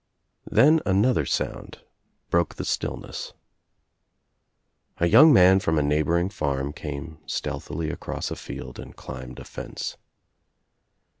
Then another sound broke the stillness. A young man from a neighboring farm came stealthily across a field and climbed a fence.